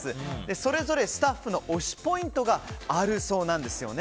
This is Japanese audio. それぞれスタッフの推しポイントがあるそうなんですよね。